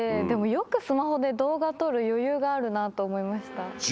でもよくスマホで動画撮る余裕があるなと思いました。